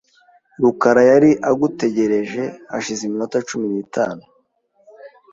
rukara yari agutegereje hashize iminota cumi n'itanu .